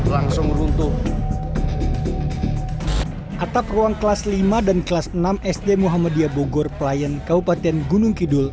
langsung runtuh atap ruang kelas lima dan kelas enam sd muhammadiyah bogor pelayan kabupaten gunung kidul